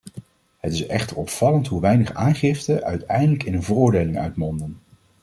Het is echter opvallend hoe weinig aangiften uiteindelijk in een veroordeling uitmonden.